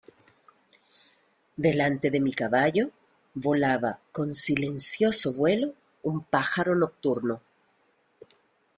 delante de mi caballo volaba, con silencioso vuelo , un pájaro nocturno: